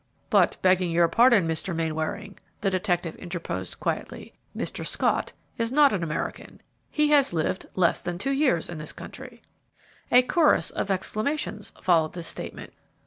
"But, begging your pardon, Mr. Mainwaring," the detective interposed, quietly, "Mr. Scott is not an American. He has lived less than two years in this country." A chorus of exclamations followed this statement.